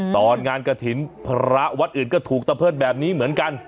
ตอนงานกระถิ่นพระวัดอื่นก็ถูกตะเพิดแบบนี้เหมือนกัน